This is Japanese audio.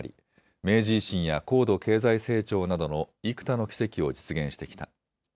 明治維新や高度経済成長などの幾多の奇跡を実現してきた。